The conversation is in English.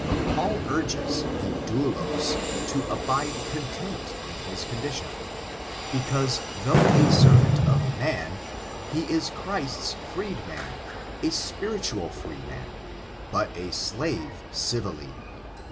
Paul urges the daulot to abide content in his condition ; because, though a servant of man, he is Christ's freed man— a spiritual freeman, but a slave civilly.